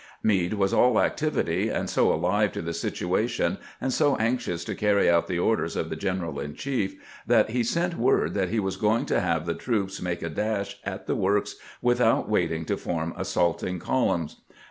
Meade was all activity, and so alive to the situation, and so anxious to carry out the orders of the general in chief, that he sent word that he was going to have the troops make a dash at the works without waiting to form assaulting columns.